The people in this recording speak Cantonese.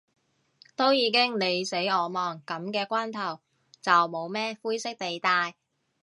都已經你死我亡，噉嘅關頭，就冇咩灰色地帶